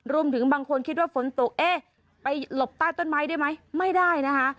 บางคนคิดว่าฝนตกเอ๊ะไปหลบใต้ต้นไม้ได้ไหมไม่ได้นะคะ